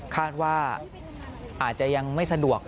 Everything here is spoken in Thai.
คาดว่าอาจจะยังไม่สะดวก